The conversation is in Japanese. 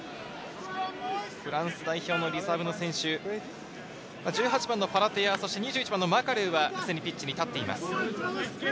フランス代表のリザーブの選手、１８番のファラテア、２１番のマカルーは、すでにピッチに立っています。